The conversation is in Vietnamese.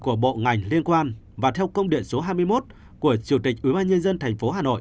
của bộ ngành liên quan và theo công điện số hai mươi một của chủ tịch ubnd tp hcm